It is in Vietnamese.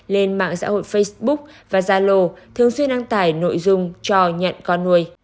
lên mạng xã hội facebook và zalo thường xuyên đăng tải nội dung cho nhận con nuôi